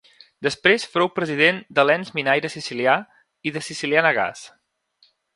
Després fou president de l'Ens Minaire Sicilià i de Siciliana Gas.